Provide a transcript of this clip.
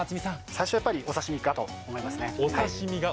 最初はやっぱりお刺身かと思いますね。